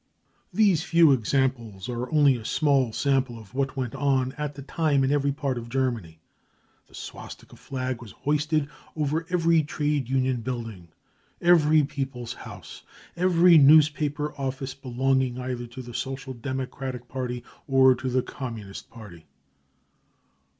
55 These few examples are only a small sample of what went on at that time in every part of Germany. The swastika flag » was hoisted over every trade union building, every People's House, qyery newspaper office belonging either to the Social Democratic Party or to the Communist Party.